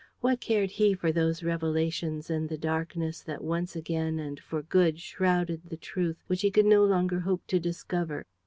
What cared he for those revelations and the darkness that once again and for good shrouded the truth which he could no longer hope to discover?